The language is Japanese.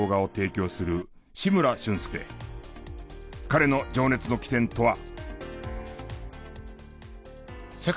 彼の情熱の起点とは？